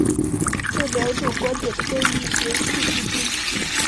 这两种观点的争议延续至今。